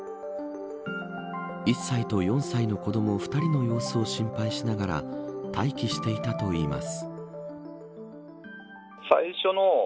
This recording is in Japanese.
１歳と４歳の子ども２人の様子を心配ながら待機していたといいます。